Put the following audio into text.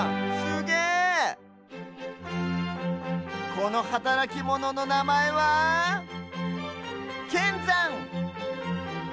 このはたらきモノのなまえはけんざん！